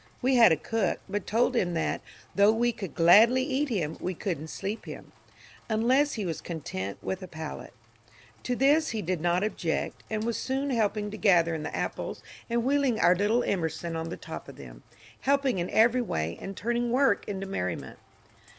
We bad a cook, but told bim tbat ^^tbougb we could gladly eat bim, we could n't sleep bim," unless be was content witb a pallet. To tbis be did not object, and was soon belping to gatber in tbe apples and wbeeling our little Emerson on tbe top of tbem, belping in every way and turning work into mer riment.